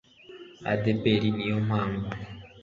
adpr ni yo mpamvu